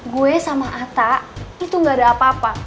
gue sama atta itu gak ada apa apa